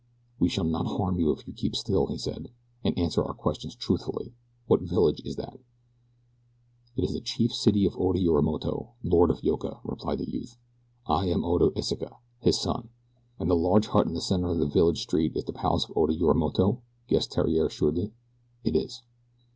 "We shall not harm you if you keep still," he said, "and answer our questions truthfully. What village is that?" "It is the chief city of Oda Yorimoto, Lord of Yoka," replied the youth. "I am Oda Iseka, his son." "And the large hut in the center of the village street is the palace of Oda Yorimoto?" guessed Theriere shrewdly. "It is."